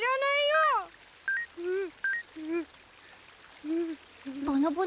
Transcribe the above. うん！